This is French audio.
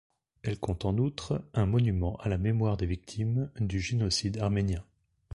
Elle compte en outre un monument à la mémoire des victimes du génocide arménien.